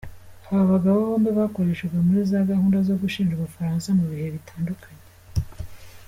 Aba bagabo bombi bakoreshejwe muri za gahunda zo gushinja ubufaransa mu bihe bitandukanye.